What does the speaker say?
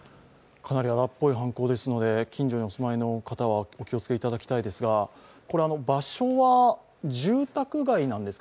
かなり荒っぽい犯行ですので近所にお住まいの方はお気を付けいただきたいですが、場所は住宅街なんですか。